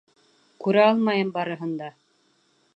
Күрә алмайым барыһын да!